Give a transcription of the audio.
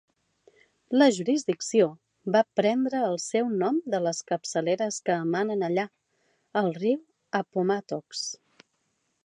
La jurisdicció va prendre el seu nom de les capçaleres que emanen allà, el riu Appomattox.